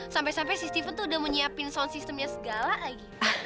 sampai sampai si steven tuh udah menyiapkan sound systemnya segala lagi